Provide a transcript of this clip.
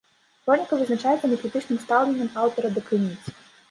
Хроніка вызначаецца некрытычным стаўленнем аўтара да крыніц.